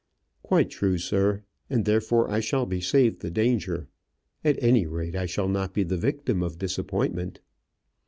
"Quite true, sir; and therefore I shall be saved the danger. At any rate, I shall not be the victim of disappointment."